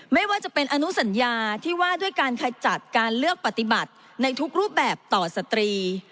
ไม่ว่าจะเป็นอนุสัญญาที่ว่าด้วยการขจัดการเลือกปฏิบัติในทุกรูปแบบต่อสตรี